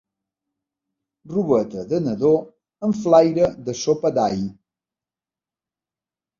Robeta de nadó amb flaire de sopa d'all.